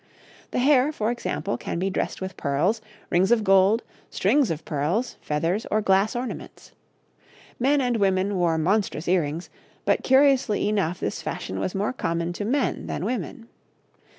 The hair, for example, can be dressed with pearls, rings of gold, strings of pearls, feathers, or glass ornaments. Men and women wore monstrous earrings, but curiously enough this fashion was more common to men than women.